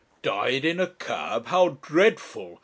'Died in a cab! how dreadful!'